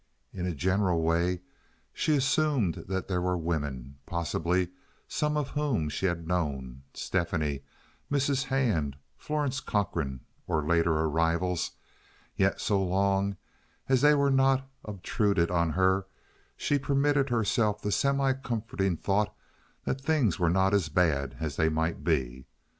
In a general way she assumed that there were women—possibly some of whom she had known—Stephanie, Mrs. Hand, Florence Cochrane, or later arrivals—yet so long as they were not obtruded on her she permitted herself the semi comforting thought that things were not as bad as they might be.